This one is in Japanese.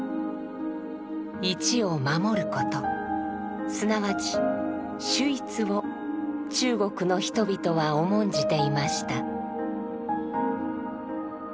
一を守ることすなわち「守一」を中国の人々は重んじていました。